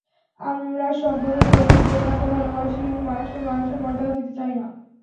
আমরা সম্পদের জৌলুশ দেখাতে ভালোবাসি, কিন্তু মানুষকে মানুষের মর্যাদা দিতে চাই না।